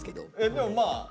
でもまあ。